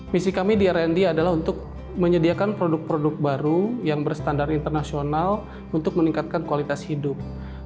misi kami di rnd adalah untuk menyediakan produk produk baru yang berstandar internasional untuk meningkatkan kualitas hidup